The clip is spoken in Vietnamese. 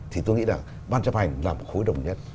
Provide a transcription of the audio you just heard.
thì tôi nghĩ là ban chấp hành là một khối đồng nhất